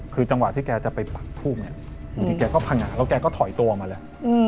คือจังหวะที่แกจะไปปักทูบเนี่ยอยู่ดีแกก็พังงะแล้วแกก็ถอยตัวมาเลย